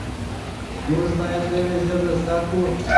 موږ باید نوې ژبې زده کړو.